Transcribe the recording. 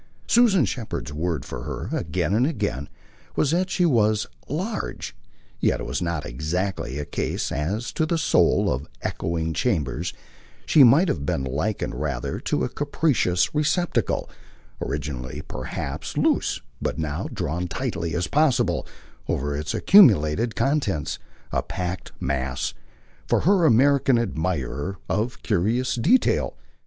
Susan Shepherd's word for her, again and again, was that she was "large"; yet it was not exactly a case, as to the soul, of echoing chambers: she might have been likened rather to a capacious receptacle, originally perhaps loose, but now drawn as tightly as possible over its accumulated contents a packed mass, for her American admirer, of curious detail.